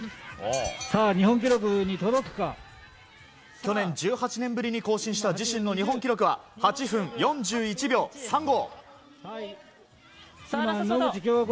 去年１８年ぶりに更新した自身の日本記録は８分４１秒３５。